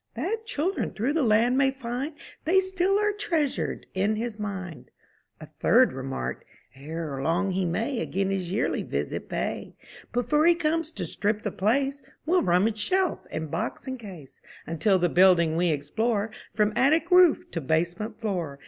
58 UP ONE PAIR OF STAIRS That children through the land may find They still are treasured in his mind/* A third remarked, Ere long he may Again his yearly visit pay; Before he comes to strip the place, We'll rummage shelf, and box, and case, Until the building we explore From attic roof to basement floor.